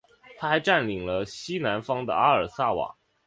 他还占领了西南方的阿尔萨瓦。